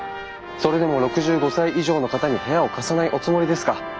それでも６５歳以上の方に部屋を貸さないおつもりですか？